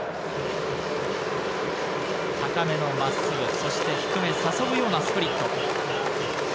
高めの真っすぐ、そして低め、誘うようなスプリット。